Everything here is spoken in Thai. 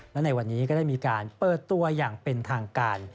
และในวันนี้ก็ได้มีการเปิดตัวอย่างเป็นทางการ